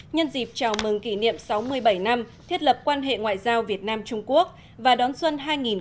nhân dịp chào mừng kỷ niệm sáu mươi bảy năm thiết lập quan hệ ngoại giao việt nam trung quốc và đón xuân hai nghìn hai mươi